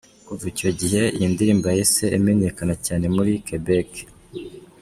Kuva icyo gihe, iyi ndirimbo yahise imenyekana cyane muri Quebec.